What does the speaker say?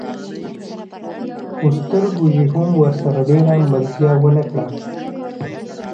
خو سترګو يې هم ورسره ډېره ملتيا ونه کړه.